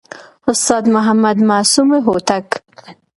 استاد محمد معصوم هوتک